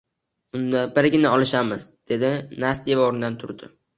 Unda… birga olishamiz, – dedi Nastya va oʻrnidan turdi.